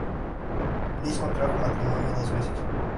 Luis contrajo matrimonio dos veces.